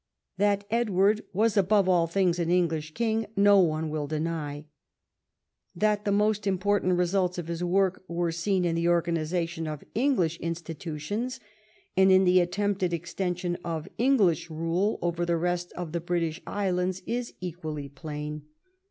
That Edward was above all things an English king, no one will deny. That the most im 2)ortant results of his work were seen in the organisation of English institutions and in the attempted extension of English rule over the rest of the British Islands is equally plain.